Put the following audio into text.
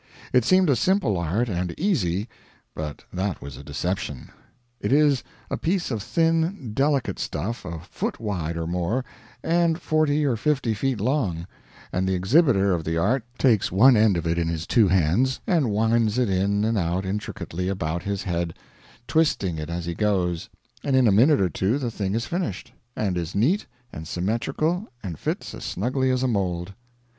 It seemed a simple art and easy; but that was a deception. It is a piece of thin, delicate stuff a foot wide or more, and forty or fifty feet long; and the exhibitor of the art takes one end of it in his two hands, and winds it in and out intricately about his head, twisting it as he goes, and in a minute or two the thing is finished, and is neat and symmetrical and fits as snugly as a mould.